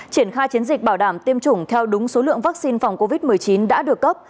triển khai chiến dịch bảo đảm tiêm chủng theo đúng số lượng vaccine phòng covid một mươi chín đã được cấp